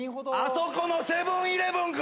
あそこのセブン−イレブンか！